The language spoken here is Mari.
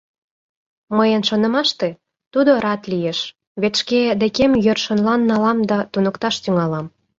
Мыйын шонымаште, тудо рат лиеш, вет шке декем йӧршынлан налам да туныкташ тӱҥалам.